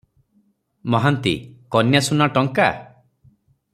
ମହାନ୍ତି- କନ୍ୟାସୁନା ଟଙ୍କା?